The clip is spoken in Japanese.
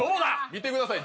見てください。